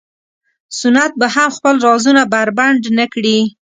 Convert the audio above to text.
سنت به هم خپل رازونه بربنډ نه کړي.